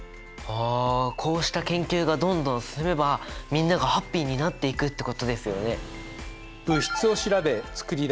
あこうした研究がどんどん進めばみんながハッピーになっていくってことですよね。